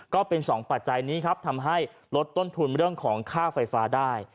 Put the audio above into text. ก็เป็นสองปัจจัยนี้ครับทำให้ลดต้นทุนเรื่องของค่าไฟฟ้าได้